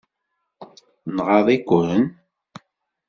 Nɣaḍ-iken?